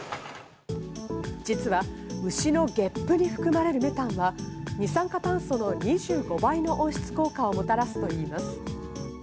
実は牛のげっぷに含まれるメタンは、二酸化炭素の２５倍の温室効果ガスをもたらすといいます。